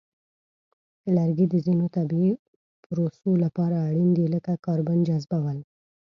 لرګي د ځینو طبیعی پروسو لپاره اړین دي، لکه کاربن جذبول.